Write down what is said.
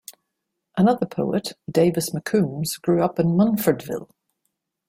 Another poet, Davis McCombs, grew up in Munfordville.